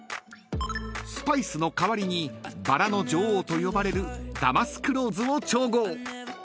［スパイスの代わりに薔薇の女王と呼ばれるダマスクローズを調合］